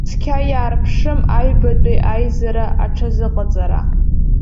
Цқьа иаарԥшым аҩбатәи аизара аҽазыҟаҵара.